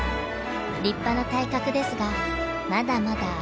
立派な体格ですがまだまだ赤ちゃん。